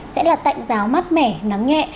sẽ là tạnh giáo mát mẻ nắng nhẹ